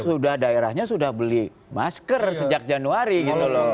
sudah daerahnya sudah beli masker sejak januari gitu loh